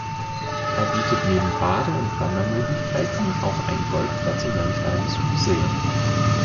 Er bietet neben Bade- und Wandermöglichkeiten auch einen Golfplatz und ein kleines Museum.